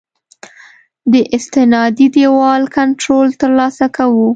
د استنادي دیوال کنټرول ترسره کوو